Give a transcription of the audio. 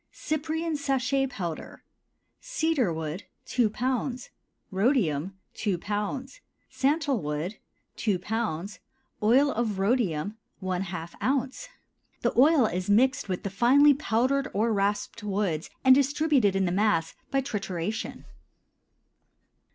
CYPRIAN SACHET POWDER. Cedar wood 2 lb. Rhodium 2 lb. Santal wood 2 lb. Oil of rhodium ½ oz. The oil is mixed with the finely powdered or rasped woods and distributed in the mass by trituration.